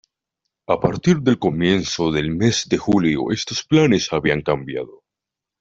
A partir del comienzo del mes de julio, estos planes habían cambiado.